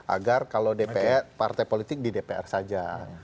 agar kalau dpr partai politik di dpr saja